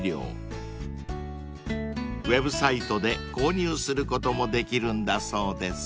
［ウェブサイトで購入することもできるんだそうです］